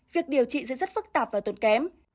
việc điều trị sẽ rất phức tạp và tốn kém